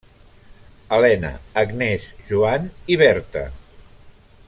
Helena, Agnès, Joan i Berta.